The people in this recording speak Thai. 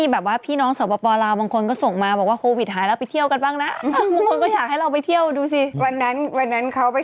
จริงประมาณลบถึงลบ๑บางที่ก็หิมะตกแล้วค่ะ